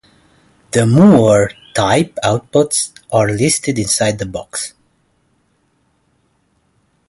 The Moore type outputs are listed inside the box.